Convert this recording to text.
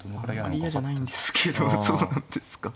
あれ嫌じゃないんですけどそうなんですか。